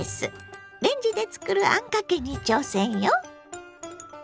レンジで作るあんかけに挑戦よ！